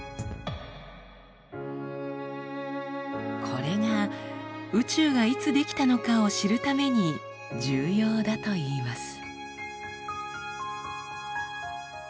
これが宇宙がいつ出来たのかを知るために重要だといいます。